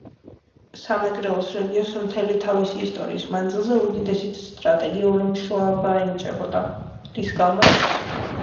სამეგრელოს რეგიონს მთელი თავისი ისტორიის მანძილზე უდიდესი სტრატეგიული მნიშვნელობა ენიჭებოდა, რის გამოც